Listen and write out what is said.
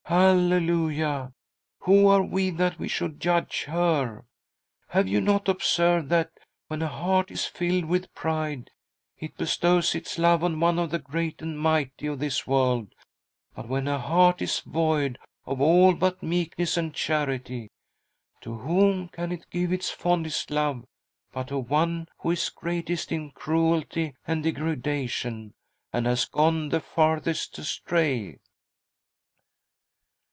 " Halleluia ! Who are we that we should judge her ? Have you not observed that, when a heart is filled with pride, it bestows its love on one of the great and mighty of this world; but when a heart is void of all but meekness and charity, to whom can it give its fondest love but to one who is greatest in cruelty and degradation, and has gone the farthest astray